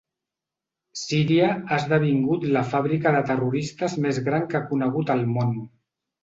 Síria ha esdevingut la fàbrica de terroristes més gran que ha conegut el món.